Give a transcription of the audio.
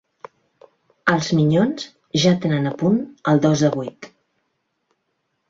Els Minyons ja tenen a punt el dos de vuit